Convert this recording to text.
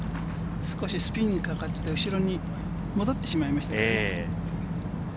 少しスピンがかかって、後ろに戻ってしまいましたね。